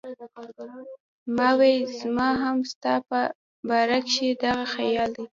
ما وې زما هم ستا پۀ باره کښې دغه خيال دی